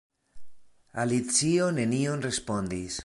Alicio nenion respondis.